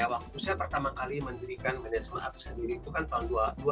waktu saya pertama kali mendirikan manajemen artis sendiri itu kan tahun dua ribu